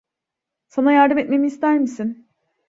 Sana yardım etmemi ister misin?